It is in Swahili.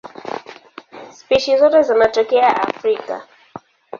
Spishi zote zinatokea Afrika.